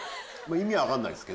意味は分かんないっすよ。